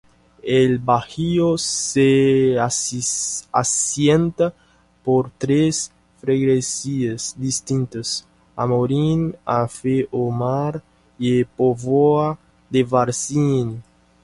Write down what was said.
El barrio se asienta por tres freguesías distintas: Amorim, Aver-o-Mar y Póvoa de Varzim.